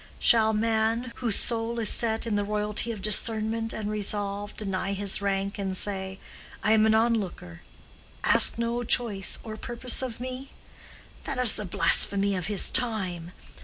Shall man, whose soul is set in the royalty of discernment and resolve, deny his rank and say, I am an onlooker, ask no choice or purpose of me? That is the blasphemy of this time.